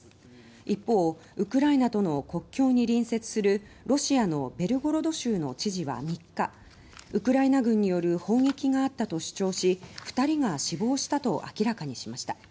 一方、ウクライナどの国境に隣接するロシアのベルゴロド州の知事は３日ウクライナ軍による砲撃があったと主張し２人が死亡したと明らかにしました。